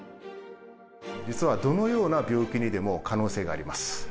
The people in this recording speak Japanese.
実はどのような病気にでも可能性があります。